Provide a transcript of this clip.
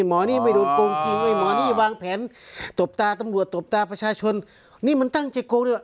หมอนี่ไม่โดนโกงจริงไอ้หมอนี่วางแผนตบตาตำรวจตบตาประชาชนนี่มันตั้งจิตโกงด้วย